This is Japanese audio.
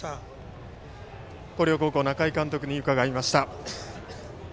広陵高校、中井監督に伺いました。